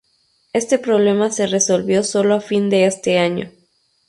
Este problema se resolvió solo a fin de año.